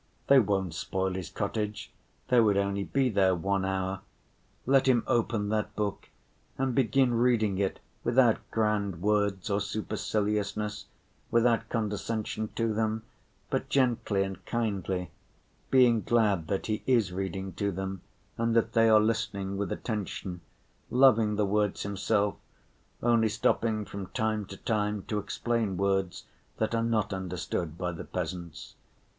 They won't spoil his cottage, they would only be there one hour. Let him open that book and begin reading it without grand words or superciliousness, without condescension to them, but gently and kindly, being glad that he is reading to them and that they are listening with attention, loving the words himself, only stopping from time to time to explain words that are not understood by the peasants.